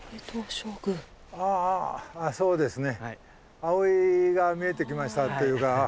ああそうですね。